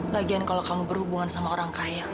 lagian kalau kamu berhubungan sama orang kaya